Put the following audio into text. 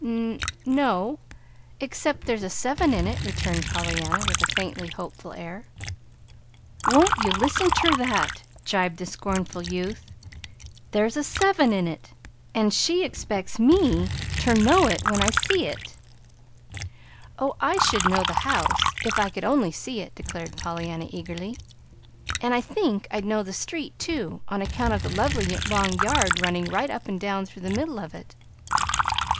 "N no, except there's a seven in it," returned Pollyanna, with a faintly hopeful air. "Won't ye listen ter that?" gibed the scornful youth. "There's a seven in it an' she expects me ter know it when I see it!" "Oh, I should know the house, if I could only see it," declared Pollyanna, eagerly; "and I think I'd know the street, too, on account of the lovely long yard running right up and down through the middle of it."